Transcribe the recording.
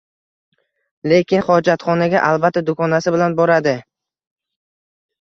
Lekin hojatxonaga albatta dugonasi bilan boradi..